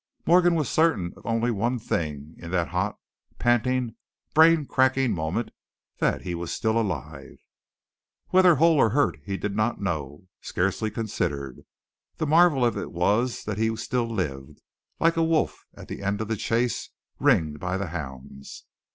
Morgan was certain of only one thing in that hot, panting, brain cracking moment that he was still alive. Whether whole or hurt, he did not know, scarcely considered. The marvel of it was that he still lived, like a wolf at the end of the chase ringed round by hounds.